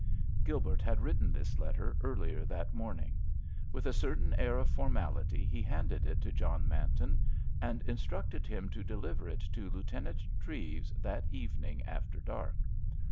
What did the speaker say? Gilbert had written this letter earlier that morning. With a certain air of formality he handed it to John Manton and instructed him to deliver it to Lieutenant Treves that evening after dark.